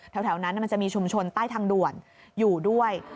แถวนั้นมันจะมีชุมชนใต้ทางด่วนอยู่ด้วย